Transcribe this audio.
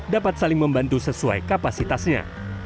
dapat saling membantu sesuai kapasitasnya